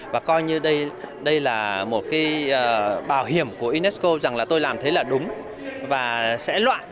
và coi như đây là một cái bảo hiểm của unesco rằng là tôi làm thế là đúng và sẽ loại